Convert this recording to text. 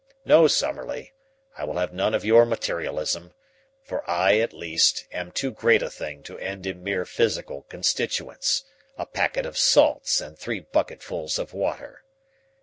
No, Summerlee, I will have none of your materialism, for I, at least, am too great a thing to end in mere physical constituents, a packet of salts and three bucketfuls of water.